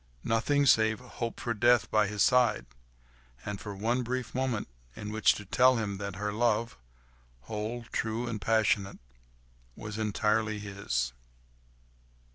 Nothing, save to hope for death by his side, and for one brief moment in which to tell him that her love—whole, true and passionate—was entirely his.